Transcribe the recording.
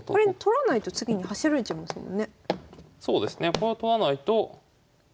これ取らないと。